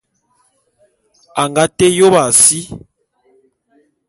A nga té yôp a si.